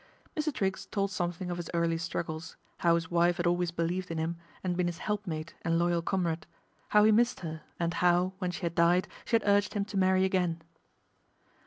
Mr. Triggs told something of his early struggles, how his wife had always believed in him and been his helpmate and loyal comrade, how he missed her, and how, when she had died, she had urged him to marry again.